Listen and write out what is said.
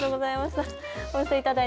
お寄せいただい